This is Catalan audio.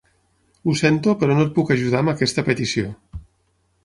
Ho sento, però no et puc ajudar amb aquesta petició.